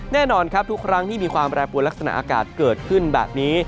แน่นอนครับทุกครั้งที่มีความแปรปวดลักษณะอากาศเกิดขึ้นแบบนี้